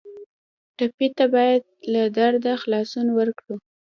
ټپي ته باید له درده خلاصون ورکړو.